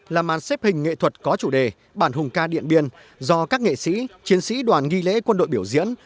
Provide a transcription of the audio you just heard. tiếp hình nghệ thuật có chủ đề bản hùng ca điện biên do các nghệ sĩ chiến sĩ đoàn ghi lễ quân đội biểu diễn